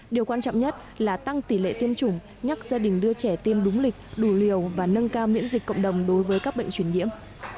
điều quan trọng nhất là tăng tỷ lệ tiêm chủng nhắc gia đình đưa trẻ tiêm đúng lịch đủ liều và nâng cao miễn dịch cộng đồng đối với các bệnh chuyển nhiễm